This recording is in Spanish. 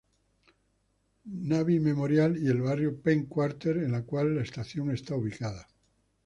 Navy Memorial, y el barrio Penn Quarter en la cual la estación está ubicada.